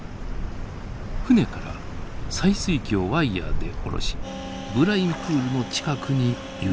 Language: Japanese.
船から採水器をワイヤーで下ろしブラインプールの近くに誘導します。